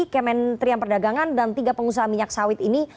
kementerian perdagangan dan tiga pengusaha minyak sawit ini